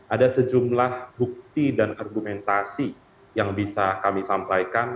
ada sejumlah bukti dan argumentasi yang bisa kami sampaikan